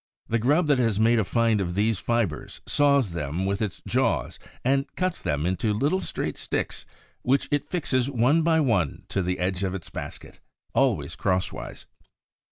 The grub that has made a find of these fibers saws them with its jaws and cuts them into little straight sticks, which it fixes one by one to the edge of its basket, always crosswise.